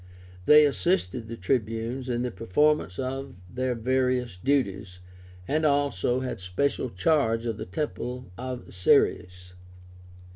They assisted the Tribunes in the performance of their various duties, and also had special charge of the temple of Ceres.